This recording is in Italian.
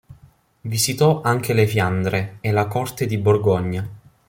Visitò anche le Fiandre e la corte di Borgogna.